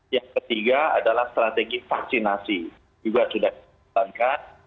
yang ketiga adalah strategi vaksinasi juga sudah ditentangkan